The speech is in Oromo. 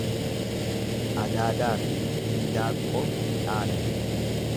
Adaadaafi hindaaqqoo hin dhaanan.